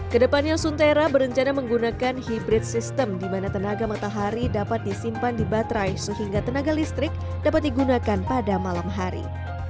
kedepannya suntera berencana menggunakan hybrid system di mana tenaga matahari dapat disimpan di baterai sehingga tenaga listrik dapat digunakan pada malam hari